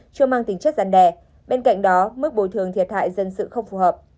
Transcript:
chưa mang tính chất gián đẻ bên cạnh đó mức bồi thường thiệt hại dân sự không phù hợp